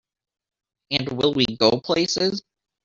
And will we go places!